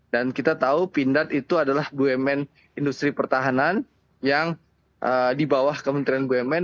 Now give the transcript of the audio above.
dan kita tahu pindad itu adalah bumn industri pertahanan yang di bawah kementerian bumn